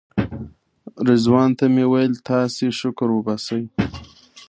رضوان ته مې ویل تاسې شکر وباسئ.